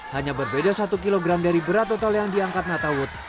hanya berbeda satu kg dari berat total yang diangkat natawood